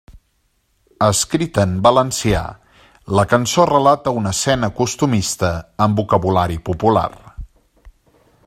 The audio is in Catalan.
Escrita en valencià, la cançó relata una escena costumista amb vocabulari popular.